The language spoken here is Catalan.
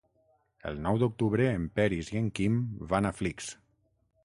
El nou d'octubre en Peris i en Quim van a Flix.